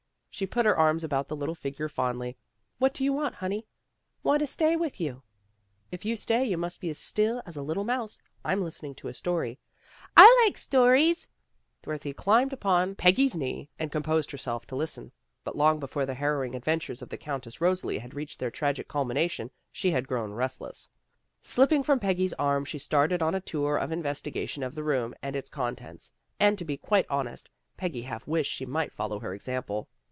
She put her arms about the little figure fondly. " What do you want, honey? "" Want to stay with you." " If you stay, you must be as still as a little mouse. I'm listening to a story." " I likes stories! " Dorothy climbed upon 144 THE GIRLS OF FRIENDLY TERRACE Peggy's knee and composed herself to listen. But long before the harrowing adventures of the Countess Rosalie had reached their tragic culmination she had grown restless. Slipping from Peggy's arms she started on a tour of in vestigation of the room and its contents, and, to be quite honest, Peggy half wished she might follow her example.